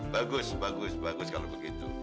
bagus bagus bagus kalau begitu